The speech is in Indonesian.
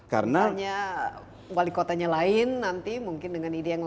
karena wali kotanya lain nanti mungkin dengan ide yang lain